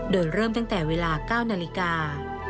เดินเริ่มตั้งแต่เวลาเก้านาฬิกา